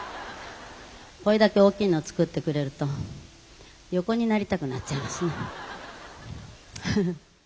「これだけ大きいのを作ってくれると横になりたくなっちゃいますね」。